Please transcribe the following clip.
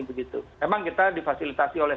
memang kita difasilitasi oleh